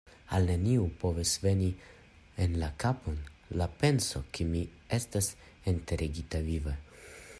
Al neniu povis veni en la kapon la penso, ke mi estas enterigita vive.